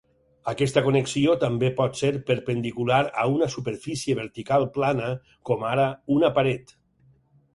Aquesta connexió també pot ser perpendicular a una superfície vertical plana, com ara una paret.